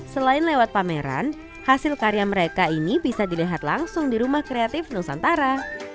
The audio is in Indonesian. selain lewat pameran hasil karya mereka ini bisa dilihat langsung di rumah kreatif nusantara